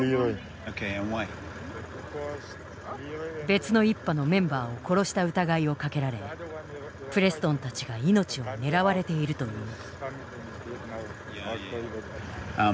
別の一派のメンバーを殺した疑いをかけられプレストンたちが命を狙われているという。